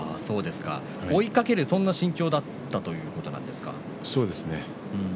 追いかけるそんな心境だったそうですね。